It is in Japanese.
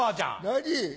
何？